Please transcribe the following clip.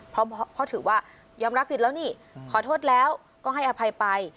เพราะถือว่ายอมรับผิดแล้วนี่ขอโทษแล้วก็ให้อภัยไป